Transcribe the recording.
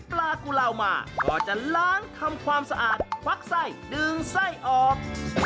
กุลาวมาก็จะล้างทำความสะอาดควักไส้ดึงไส้ออก